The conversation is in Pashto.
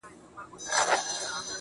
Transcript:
دغه جلال او دا جمال د زلفو مه راوله_